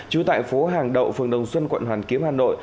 trú tại phố hàng đậu phường đồng xuân quận hoàn kiếm hà nội